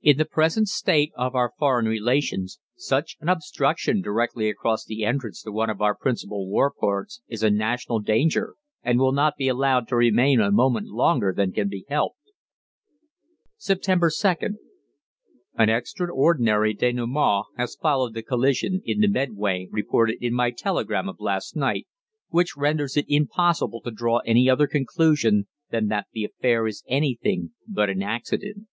In the present state of our foreign relations such an obstruction directly across the entrance to one of our principal war ports is a national danger, and will not be allowed to remain a moment longer than can be helped." "Sept. 2. "An extraordinary dénouement has followed the collision in the Medway reported in my telegram of last night, which renders it impossible to draw any other conclusion than that the affair is anything but an accident.